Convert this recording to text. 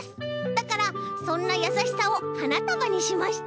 だからそんなやさしさをはなたばにしました。